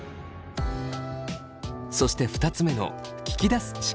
そして２つ目の聞き出す力。